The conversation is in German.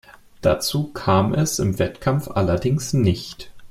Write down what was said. Dazu kam es im Wettkampf allerdings nicht.